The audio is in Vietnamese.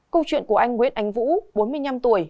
câu chuyện của anh nguyễn ánh vũ bốn mươi năm tuổi